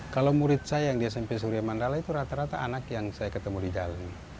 kalau murid saya yang di smp surya mandala itu rata rata anak yang saya ketemu di jalan